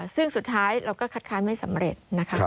ซึ่งสุดท้ายเราก็คัดค้านไม่สำเร็จนะคะ